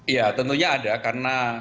ya tentunya ada karena